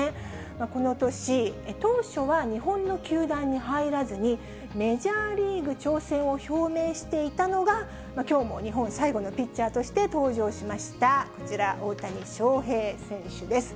この年、当初は日本の球団に入らずに、メジャーリーグ挑戦を表明していたのが、きょうも日本最後のピッチャーとして登場しましたこちら、大谷翔平選手です。